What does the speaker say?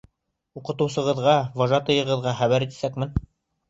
— Уҡытыусығыҙға, вожатыйығыҙға хәбәр итәсәкмен.